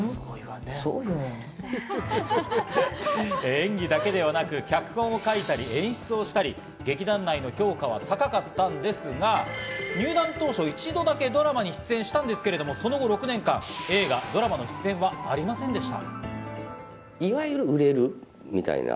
演技だけではなく、脚本を書いたり演出をしたり、劇団内の評価は高かったんですが、入団当初、一度だけドラマに出演したんですけれども、その後、６年間、映画やドラマの出演はありませんでした。